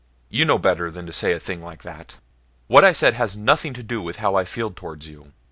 "You know better than to say a thing like that. What I said has nothing to do with how I feel towards you.